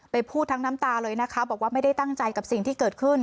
พูดทั้งน้ำตาเลยนะคะบอกว่าไม่ได้ตั้งใจกับสิ่งที่เกิดขึ้น